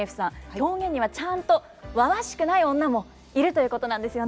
狂言にはちゃんとわわしくない女もいるということなんですよね。